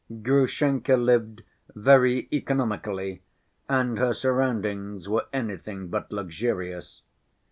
Grushenka lived very economically and her surroundings were anything but luxurious.